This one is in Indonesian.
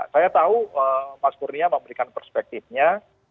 saya tahu mas kurnia memberikan perspektifnya